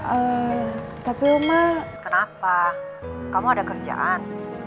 eh tapi oma kenapa kamu ada kerjaan